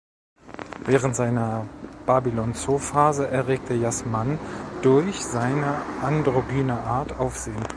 Während seiner Babylon-Zoo-Phase erregte Jas Mann durch seine androgyne Art Aufsehen.